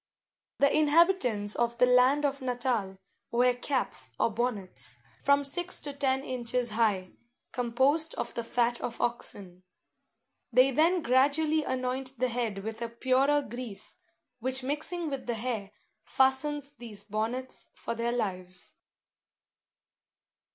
The inhabitants of the land of Natal wear caps or bonnets, from six to ten inches high, composed of the fat of oxen. They then gradually anoint the head with a purer grease, which mixing with the hair, fastens these bonnets for their lives.